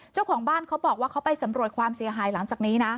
เจ้าของบ้านเขาบอกว่าเขาไปสำรวจความเสียหายหลังจากนี้นะ